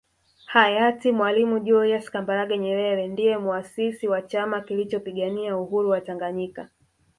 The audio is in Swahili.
Hayati Mwalimu Julius Kambarage Nyerere ndiye Muasisi wa Chama kilichopigania uhuru wa Tanganyika